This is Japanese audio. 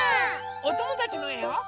おともだちのえを。